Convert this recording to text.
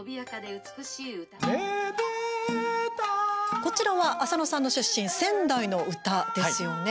こちらは、浅野さんの出身仙台の唄ですよね。